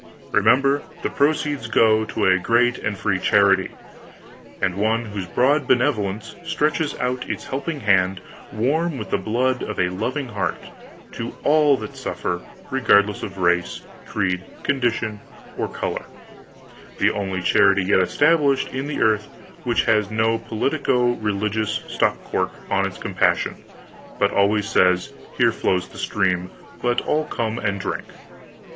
ReMember, the proceeds go to a great and free charity, and one whose broad begevolence stretches out its help ing hand, warm with the blood of a lov ing heart, to all that suffer, regardless of race, creed, condition or color—the only charity yet established in the earth which has no politico religious stop cock on its compassion, but says Here flows the stream, let ALL come and drink!